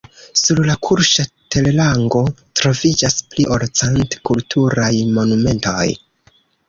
Sur la kurŝa terlango troviĝas pli ol cent kulturaj monumentoj.